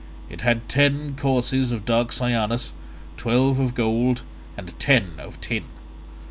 It had ten courses of dark cyanus, twelve of gold, and ten of tin.